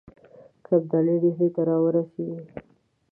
که ابدالي ډهلي ته را ورسیږي.